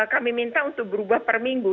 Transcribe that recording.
kami minta untuk berubah per minggu